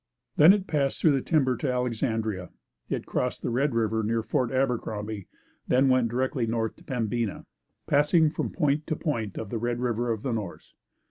Then it passed through the timber to Alexandria. It crossed Red River near Fort Abercrombie; then went directly north to Pembina, passing from point to point of the Red River of the North.